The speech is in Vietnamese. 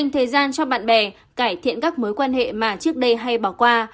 dành thời gian cho bạn bè cải thiện các mối quan hệ mà trước đây hay bỏ qua